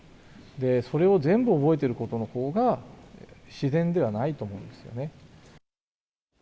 それを全部覚えてることのほうが自然ではないと思いますよね。